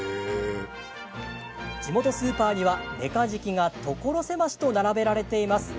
地元スーパーには、メカジキが所狭しと並べられています。